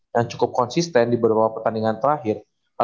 yang cukup konsisten di beberapa pertandingan terakhir